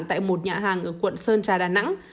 tại một nhà hàng ở quận sơn trà đà nẵng